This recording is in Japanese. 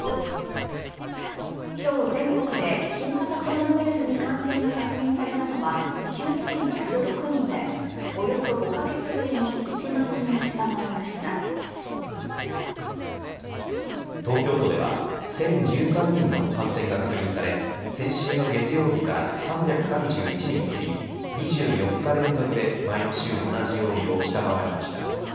今日全国で新型コロナウイルスに感染が確認されたのは９１０６人でおよそ５カ月ぶりに東京都では１０１３人の感染が確認され先週の月曜日から３３１人減り２４日連続で前の週の同じ曜日を下回りました。